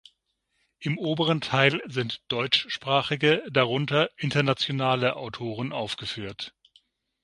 Im oberen Teil sind "deutschsprachige", darunter "internationale" Autoren aufgeführt.